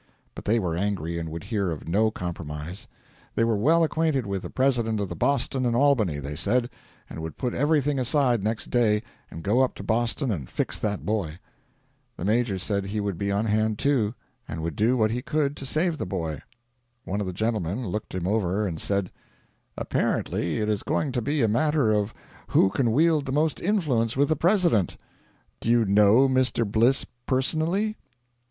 But they were angry, and would hear of no compromise. They were well acquainted with the President of the Boston and Albany, they said, and would put everything aside next day and go up to Boston and fix that boy. The Major said he would be on hand too, and would do what he could to save the boy. One of the gentlemen looked him over and said: 'Apparently it is going to be a matter of who can wield the most influence with the President. Do you know Mr. Bliss personally?'